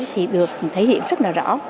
thì được thể hiện rất là rõ